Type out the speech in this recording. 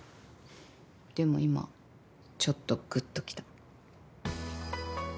でも今ちょっとぐっときた。